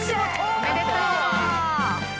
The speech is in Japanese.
おめでとう。